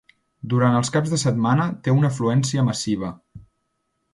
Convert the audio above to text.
Durant els caps de setmana té una afluència massiva.